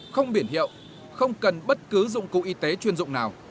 không biển hiệu không cần bất cứ dụng cụ y tế chuyên dụng nào